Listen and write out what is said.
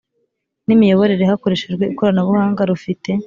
N imiyoborere hakoreshejwe ikoranabuhanga rufite